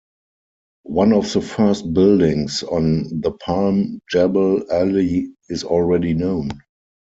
One of the first buildings on The Palm Jebel Ali is already known.